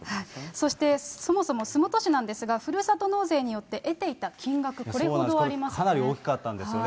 そしてそもそも洲本市なんですが、ふるさと納税によって得てかなり大きかったんですよね。